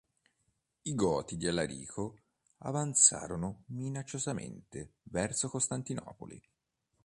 I Goti di Alarico avanzarono minacciosamente verso Costantinopoli.